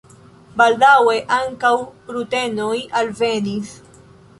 Baldaŭe ankaŭ rutenoj alvenis.